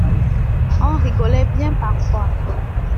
On rigolait bien parfois.